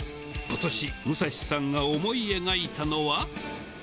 ことし、武蔵さんが思い描いたのは。